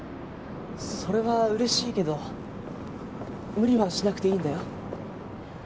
それはうれしいけど無理はしなくていいんだよ。